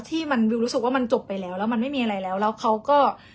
ที่มันวิวรู้สึกว่ามันจบไปแล้วแล้วมันไม่มีอะไรแล้วแล้วเขาก็